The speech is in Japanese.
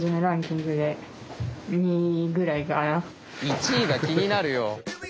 １位が気になるよ。